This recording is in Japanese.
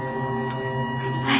はい。